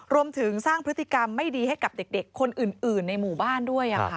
รวมถึงสร้างพฤติกรรมไม่ดีให้กับเด็กคนอื่นในหมู่บ้านด้วย